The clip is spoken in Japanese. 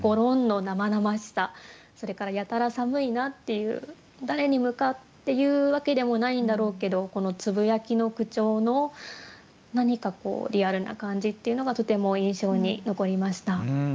それから「やたら寒いな」っていう誰に向かって言うわけでもないんだろうけどこのつぶやきの口調の何かこうリアルな感じっていうのがとても印象に残りました。